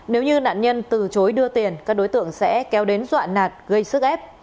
nếu như nạn nhân từ chối đưa tiền các đối tượng sẽ kéo đến dọa nạt gây sức ép